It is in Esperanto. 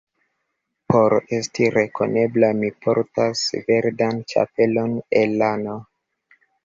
Por esti rekonebla, mi portas verdan ĉapelon el lano.